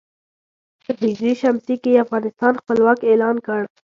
په ه ش کې یې افغانستان خپلواک اعلان کړ.